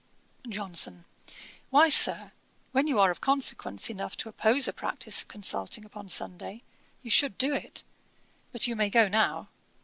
JOHNSON. 'Why, Sir, when you are of consequence enough to oppose the practice of consulting upon Sunday, you should do it: but you may go now.